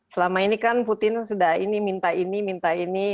selama ini kan putin sudah ini minta ini minta ini